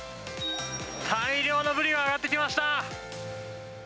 大量のブリがあがってきました。